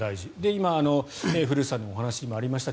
今、古内さんのお話にもありました